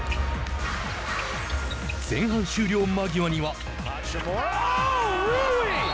前半終了間際には。